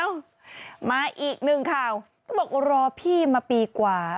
เอ้ามาอีกหนึ่งข่าวนี่บอกว่ารอพี่มาปีกว่า